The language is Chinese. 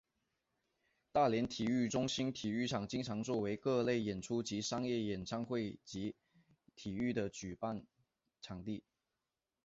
大连体育中心体育场经常作为各类演出及商业演唱会及体育的举办场地。